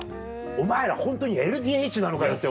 お前らホントにＬＤＨなのかよって。